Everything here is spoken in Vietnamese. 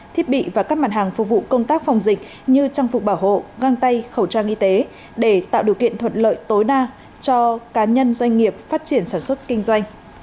thiết bị và các mặt hàng phục vụ công tác phòng dịch như trang phục bảo hộ găng tay khẩu trang y tế để tạo điều kiện thuận lợi tối đa cho cá nhân doanh nghiệp phát triển sản xuất kinh doanh